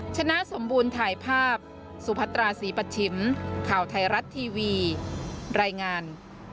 ชนะสมบูรณ์ถ่ายภาพสุพัตราศรีปัชชิมข่าวไทยรัฐทีวีรายงาน